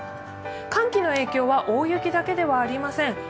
寒気の影響は大雪だけではありません。